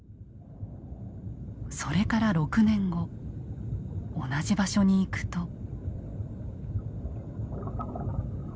それから６年後同じ場所に行くと。